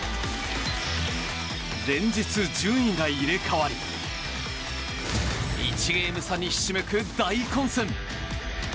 連日、順位が入れ替わり１ゲーム差にひしめく大混戦！